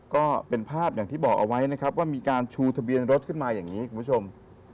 ก็เป็นภาพอย่างที่บอกเอาไว้นะครับว่ามีการชูทะเบียนรถขึ้นมาอย่างนี้คุณผู้ชม